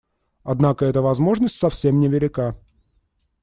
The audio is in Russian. Однако эта возможность совсем невелика.